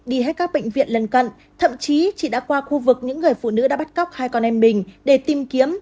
chị chi hay các bệnh viện lân cận thậm chí chị đã qua khu vực những người phụ nữ đã bắt cóc hai con em mình để tìm kiếm